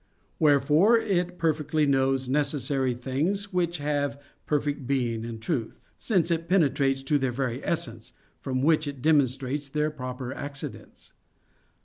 Wherefore it perfectly knows necessary things which have perfect being in truth; since it penetrates to their very essence, from which it demonstrates their proper accidents.